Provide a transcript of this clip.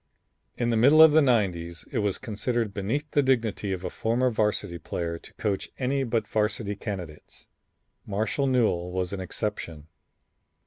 In the middle '90's it was considered beneath the dignity of a former Varsity player to coach any but Varsity candidates. Marshall Newell was an exception.